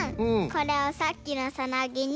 これをさっきのサナギに。